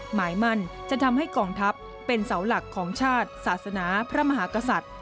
หมายมั่นจะทำให้กองทัพเป็นเสาหลักของชาติศาสนาพระมหากษัตริย์